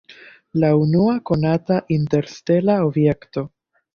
La unua konata interstela objekto!